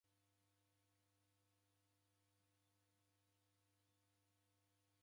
Marundu ghalua ni kama vua inyaa